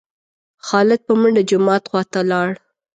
خالد په منډه جومات خوا ته لاړ.